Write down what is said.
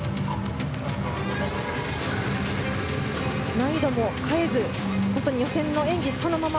難易度も変えず予選の演技そのまま。